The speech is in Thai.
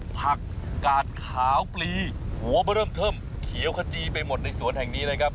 ผักกาดขาวปลีหัวมาเริ่มเทิมเขียวขจีไปหมดในสวนแห่งนี้นะครับ